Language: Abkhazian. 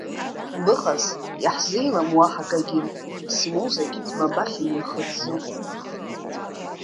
Быҟаз, иаҳзеилам уаҳа акагьы, смузагь ба бахь имҩахыҵӡом…